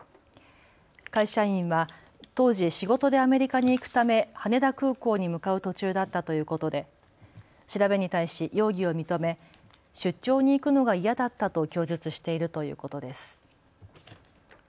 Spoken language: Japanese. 会社員は当時、仕事でアメリカに行くため羽田空港に向かう途中だったということで調べに対し容疑を認め出張に行くのが嫌だったと供述しているということです。